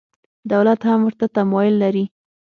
دولت هم ورته تمایل لري.